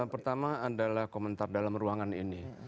yang pertama adalah komentar dalam ruangan ini